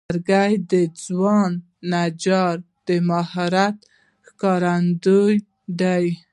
لرګی د ځوان نجار د مهارت ښکارندوی دی.